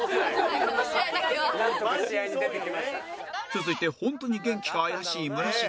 続いてホントに元気か怪しい村重